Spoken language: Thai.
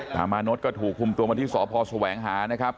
ตามานพก็ถูกคุมตัวมาที่สพแสวงหานะครับ